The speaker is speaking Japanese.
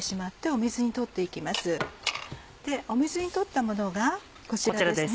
水に取ったものがこちらですね。